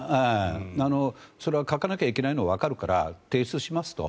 それは書かなきゃいけないのはわかるから提出しますと。